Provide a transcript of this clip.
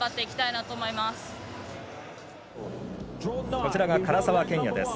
こちらが唐澤剣也です。